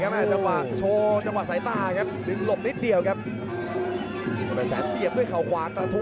เทศวัดยาวนี้ครับเทศแสนโดดคัดมากกว่ระเทศ